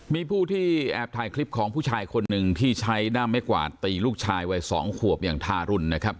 มีผู้ที่แอบถ่ายคลิปของผู้ชายคนหนึ่งที่ใช้ด้ามไม้กวาดตีลูกชายวัย๒ขวบอย่างทารุณนะครับ